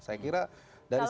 saya kira dari segi